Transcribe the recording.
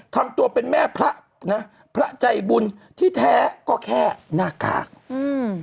ทำตัวเป็นแม่พระนะพระใจบุญที่แท้ก็แค่หน้ากากอืม